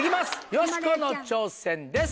よしこの挑戦です。